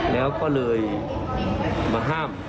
แล้วก็เลยมาห้าม